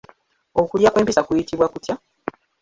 Okulya kw'empisa kuyitibwa kutya?